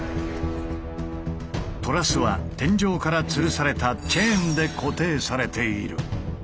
トラスは天井からつるされたチェーンで固定されている。